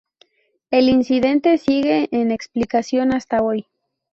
El incidente sigue sin explicación hasta hoy.